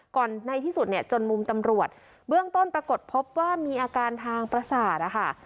ในที่สุดเนี่ยจนมุมตำรวจเบื้องต้นปรากฏพบว่ามีอาการทางประสาทนะคะ